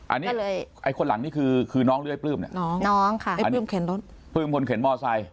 อันนี้คนหลังนี่คือน้องหรือไอ้ปลื้มน้องค่ะไอ้ปลื้มเข็นรถปลื้มคนเข็นมอไซค์